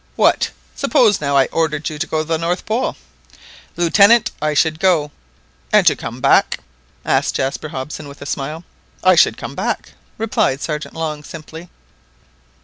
"What? Suppose now I ordered you to go to the North Pole?" "Lieutenant, I should go !" "And to comeback!" added Jaspar Hobson with a smile. "I should come back," replied Sergeant Long simply.